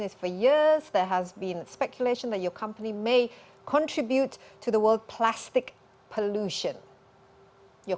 ada yang mencari bahwa perusahaan anda bisa memberikan kontribusi kepada pelaburan plastik di dunia